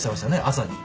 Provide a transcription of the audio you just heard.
朝に。